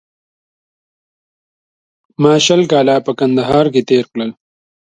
ما شل کاله په کندهار کې تېر کړل